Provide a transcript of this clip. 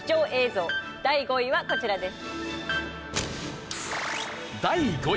第５位はこちらです。